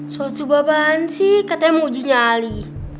salat subuh apaan sih katanya mau uji nyali